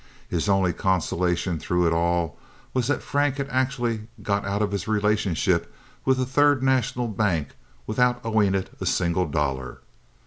His only consolation through it all was that Frank had actually got out of his relationship with the Third National Bank without owing it a single dollar.